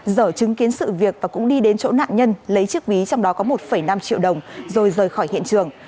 dở chứng kiến sự việc và cũng đi đến chỗ nạn nhân lấy chiếc ví trong đó có một năm triệu đồng rồi rời khỏi hiện trường